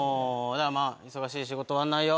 まぁ忙しい仕事終わんないよ